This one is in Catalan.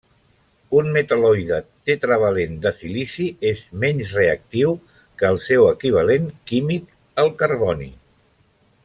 Un metal·loide tetravalent de silici és menys reactiu que el seu equivalent químic, el carboni.